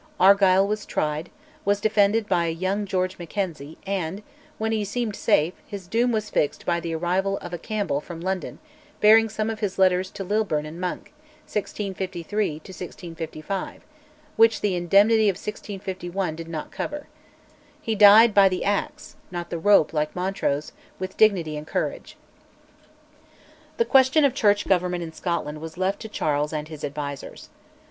Argyll was tried, was defended by young George Mackenzie, and, when he seemed safe, his doom was fixed by the arrival of a Campbell from London bearing some of his letters to Lilburne and Monk (1653 1655) which the Indemnity of 1651 did not cover. He died, by the axe (not the rope, like Montrose), with dignity and courage. The question of Church government in Scotland was left to Charles and his advisers.